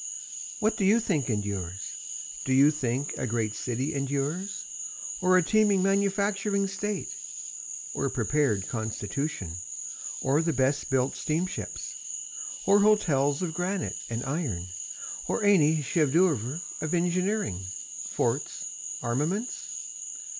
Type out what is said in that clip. What do you think endures? Do you think a great city endures? Or a teeming manufacturing state? or a prepared constitution? or the best built steamships? Or hotels of granite and iron? or any chef dŌĆÖ┼ōuvres of engineering, forts, armaments?